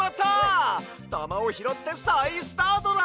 たまをひろってさいスタートだ！